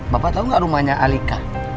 bapak tau gak rumahnya alika